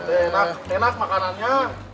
enak enak makanannya